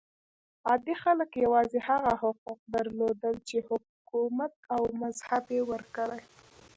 عادي خلک یوازې هغه حقوق درلودل چې حکومت او مذهب یې ورکړي.